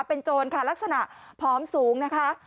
เป็นโจรค่ะลักษณะผอมสูงนะคะ